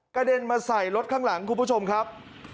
เด็นมาใส่รถข้างหลังคุณผู้ชมครับ